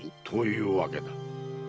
というわけだ。